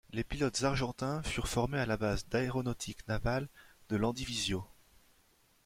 Les pilotes argentins furent formés à la base d'aéronautique navale de Landivisiau.